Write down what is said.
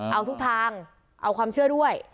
เอาทุกทางเอาความเชื่อด้วย